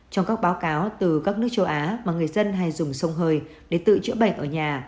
trong các báo cáo từ các nước châu á mà người dân hay dùng sông hơi để tự chữa bệnh ở nhà